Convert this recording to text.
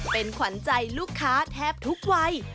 เป็นขวัญใจลูกค้าแทบทุกวัย